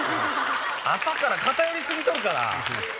朝から偏り過ぎとるから！